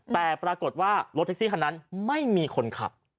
แต่ปรากฏว่ารถแท็กซี่คันนั้นไม่มีคนขับ